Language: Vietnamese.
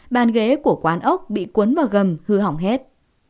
bàn ghế của quán ốc bị cuốn vào gầm hư hỏng hết